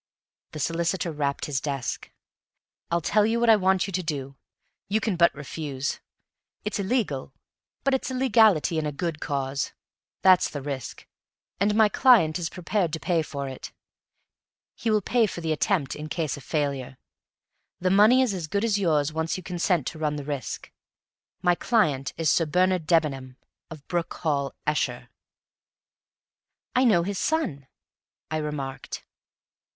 The solicitor rapped his desk. "I'll tell you what I want you to do. You can but refuse. It's illegal, but it's illegality in a good cause; that's the risk, and my client is prepared to pay for it. He will pay for the attempt, in case of failure; the money is as good as yours once you consent to run the risk. My client is Sir Bernard Debenham, of Broom Hall, Esher." "I know his son," I remarked.